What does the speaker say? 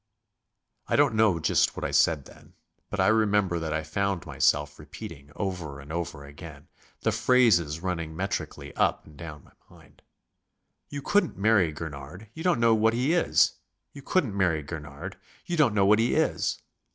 I don't know just what I said then, but I remember that I found myself repeating over and over again, the phrases running metrically up and down my mind: "You couldn't marry Gurnard; you don't know what he is. You couldn't marry Gurnard; you don't know what he is."